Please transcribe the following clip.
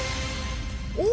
・お！